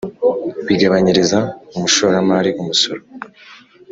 Bigabanyiriza umushoramari umusoro